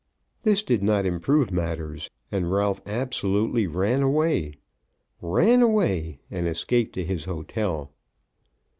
This did not improve matters, and Ralph absolutely ran away, ran away, and escaped to his hotel.